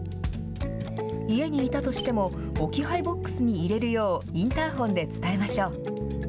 家にいたとしても、置き配ボックスに入れるようインターホンで伝えましょう。